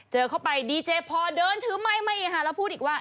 เข้าไปดีเจพอเดินถือไม้มาอีกค่ะแล้วพูดอีกว่า